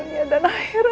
jadi dia ngerti